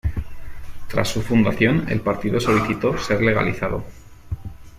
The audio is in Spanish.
Tras su fundación, el partido solicitó ser legalizado.